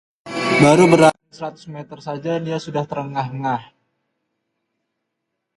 baru berlari seratus meter saja dia sudah terengah-engah